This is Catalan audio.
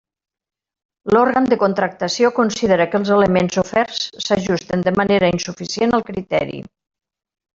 L'òrgan de contractació considera que els elements oferts s'ajusten de manera insuficient al criteri.